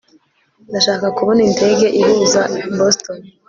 ndashaka kubona indege ihuza boston